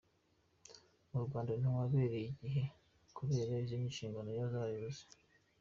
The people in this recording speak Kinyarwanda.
Mu Rwanda ntiwabereye igihe kubera izindi nshingano z’abayobozi.